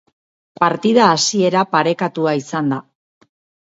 Partida hasiera parekatua izan da.